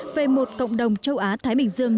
về một cộng đồng châu á thái bình dương